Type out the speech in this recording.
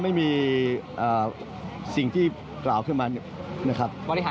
ไม่มีสิ่งที่กล่าวขึ้นมา